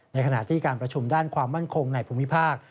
ในขณะที่การประชุมด้านความมั่นคงในภูมิภาค